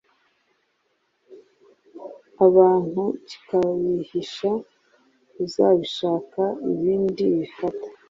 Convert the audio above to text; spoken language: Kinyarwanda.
abantukikabihisha uzabishaka Ibindi bifata